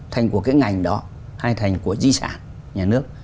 thành của cái ngành đó hay thành của di sản nhà nước